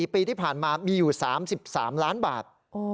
ปีที่ผ่านมามีอยู่๓๓ล้านบาท